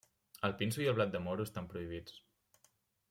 El pinso i el blat de moro estan prohibits.